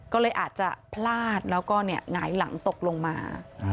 ก็เลยอาจจะพลาดแล้วก็หงายหลังตกลงมา